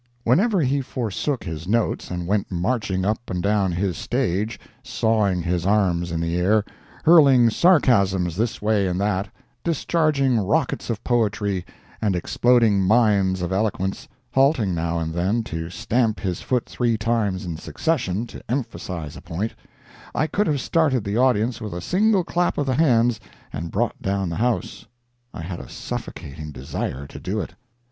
Whenever he forsook his notes and went marching up and down his stage, sawing his arms in the air, hurling sarcasms this way and that, discharging rockets of poetry, and exploding mines of eloquence, halting now and then to stamp his foot three times in succession to emphasize a point, I could have started the audience with a single clap of the hands and brought down the house. I had a suffocating desire to do it.